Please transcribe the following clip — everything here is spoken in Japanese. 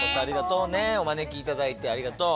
お招き頂いてありがとう。